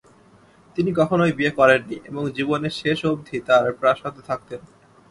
তিনি কখনই বিয়ে করেননি এবং জীবনের শেষ অবধি তার প্রাসাদে থাকতেন।